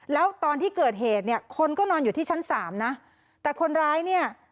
แล้วตอนที่เกิดเหตุเนี่ยคนก็นอนอยู่ที่ชั้นสามนะแต่คนร้ายเนี่ย